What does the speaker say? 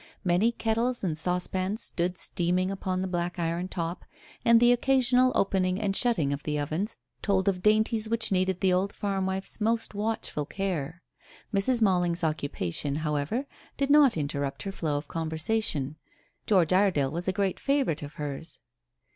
Many kettles and saucepans stood steaming upon the black iron top, and the occasional opening and shutting of the ovens told of dainties which needed the old farm wife's most watchful care. Mrs. Malling's occupation, however, did not interrupt her flow of conversation. George Iredale was a great favourite of hers.